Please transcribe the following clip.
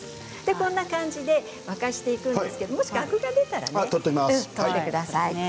こんな感じで沸かしていくんですけれどもしアクが出たら取ってくださいね。